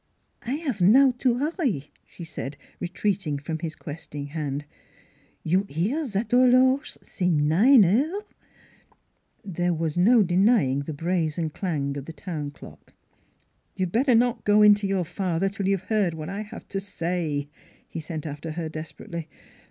" I 'ave now to 'urry," she said, retreating from his questing hand. " You 'ear zat horloge say nine heures? " There was no denying the brazen clang of the town clock. ' You'd better not go in to your father till you've heard what I have to say," he sent after her desperately.